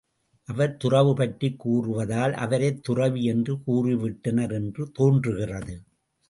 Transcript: அவர் துறவு பற்றிக் கூறுவதால் அவரைத் துறவி என்று கூறிவிட்டனர் என்று தோன்றுகிறது.